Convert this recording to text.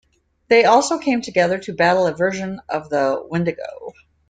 They also came together to battle a version of the Wendigo.